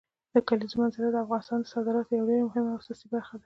د کلیزو منظره د افغانستان د صادراتو یوه ډېره مهمه او اساسي برخه ده.